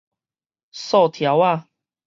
溯柱仔